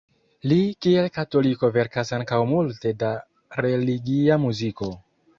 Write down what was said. Li kiel katoliko verkas ankaŭ multe da religia muziko.